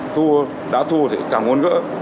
thua đã thua thì càng muốn gỡ